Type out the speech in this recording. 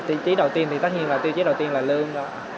tiêu chí đầu tiên thì tất nhiên là tiêu chí đầu tiên là lương